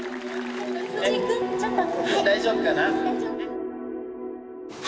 大丈夫かな。